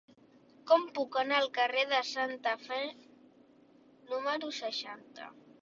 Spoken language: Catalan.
Com puc anar al carrer de Santa Fe número seixanta?